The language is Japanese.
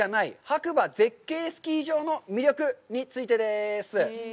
白馬絶景スキー場の魅力についてです。